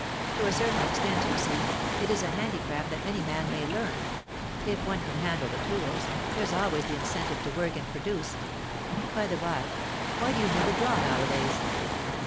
To a certain extent, you see, it is a handicraft that any man may learn; if one can handle the tools, there's always the incentive to work and produce. By the bye, why do you never draw nowadays?"